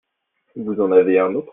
Vous en avez un autre ?